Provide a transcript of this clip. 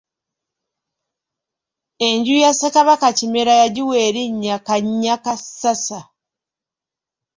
Enju ya Ssekabaka Kimera yagiwa erinnya Kannyakassasa.